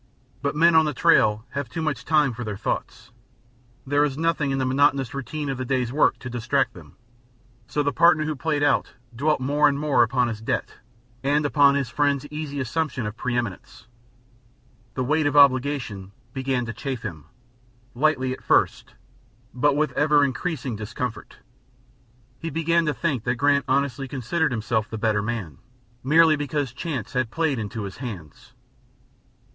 But men on the trail have too much time for their thoughts; there is nothing in the monotonous routine of the day's work to distract them, so the partner who had played out dwelt more and more upon his debt and upon his friend's easy assumption of preëminence. The weight of obligation began to chafe him, lightly at first, but with ever increasing discomfort. He began to think that Grant honestly considered himself the better man, merely because chance had played into his hands.